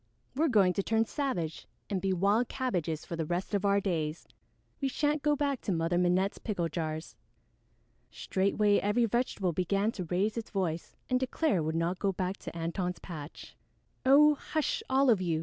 "We're going to turn savage and be wild cabbages for the rest of our days! We shan't go back to Mother Minette's pickle jars." Straightway every vegetable began to raise its voice and declare it would not go back to Antone's patch. "Oh, hush, all of you!"